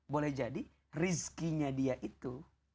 boleh jadi rizkinya dia itu